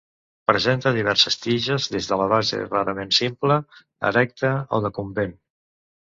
Presenta diverses tiges des de la base, rarament simple, erecta o decumbent.